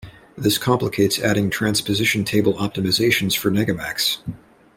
This complicates adding transposition table optimizations for negamax.